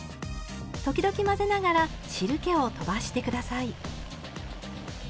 時々混ぜながら汁けをとばして下さい。